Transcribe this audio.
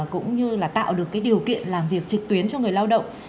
cũng như là tạo được cái điều kiện làm việc trực tuyến cho người lao động